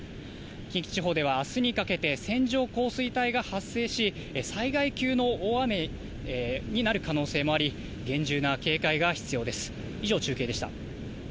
近畿地方ではあすにかけて、線状降水帯が発生し、災害級の大雨になる可能性もあり、厳重な警戒が必要です。